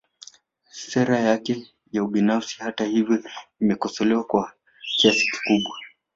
Sera yake ya ubinafsishaji hata hivyo imekosolewa kwa kiasi kikubwa